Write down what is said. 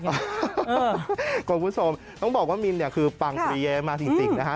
เออคุณผู้ชมต้องบอกว่ามินคือปังเตรียมาจริงนะฮะ